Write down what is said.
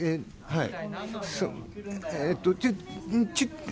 はい。